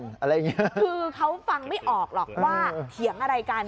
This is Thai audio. คือเขาฟังไม่ออกหรอกว่าเถียงอะไรกัน